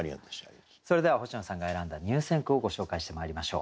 それでは星野さんが選んだ入選句をご紹介してまいりましょう。